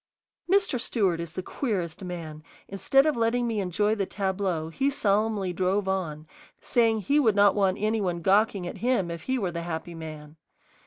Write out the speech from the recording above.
Mr. Stewart is the queerest man: instead of letting me enjoy the tableau, he solemnly drove on, saying he would not want any one gawking at him if he were the happy man.